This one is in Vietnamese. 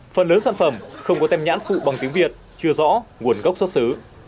phần lớn sản phẩm không có tem nhãn phụ bằng tiếng việt chưa rõ nguồn gốc xuất xứ